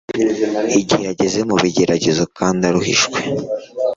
igihe ageze mu bigeragezo kandi aruhijwe.